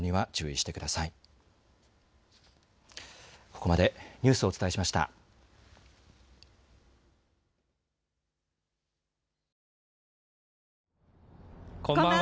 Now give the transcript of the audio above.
こんばんは。